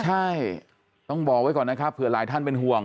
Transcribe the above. ใช่ต้องบอกไว้ก่อนนะครับเผื่อหลายท่านเป็นห่วง